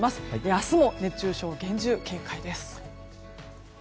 明日も熱中症、厳重警戒です。